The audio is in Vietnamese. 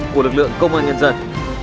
của lực lượng công an nhân dân